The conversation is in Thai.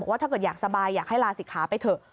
บอกว่าถ้าเกิดอยากสบายอยากให้ลาสิทธิ์ค้าไปเถอะ